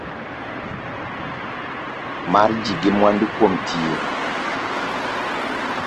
Mar ji gi mwandu kuom tiyo